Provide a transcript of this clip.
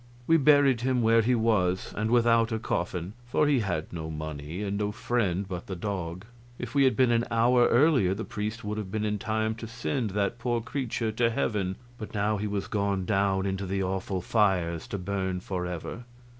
We buried him where he was, and without a coffin, for he had no money, and no friend but the dog. If we had been an hour earlier the priest would have been in time to send that poor creature to heaven, but now he was gone down into the awful fires, to burn forever.